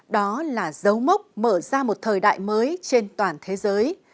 đó là dấu mốc mở ra một thời đại mới trên toàn thế giới